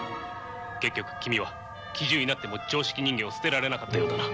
結局君は奇獣になっても常識人間を捨てられなかったようだな。